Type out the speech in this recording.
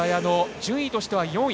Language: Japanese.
順位としては４位。